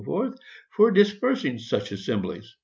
for dispersing such assemblies, &c.